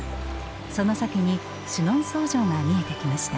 その先にシュノンソー城が見えてきました。